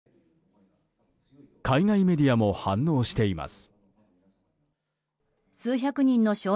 海外メディアも反応しています。